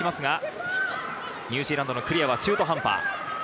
ニュージーランドのクリアは中途半端。